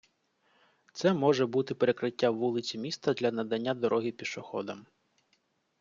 Це може бути перекриття вулиці міста для надання дороги пішоходам.